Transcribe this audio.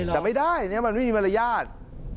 แต่ไม่ได้มันไม่มีมารยาท